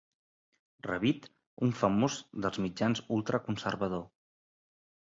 Rabid- Un famós dels mitjans ultra conservador.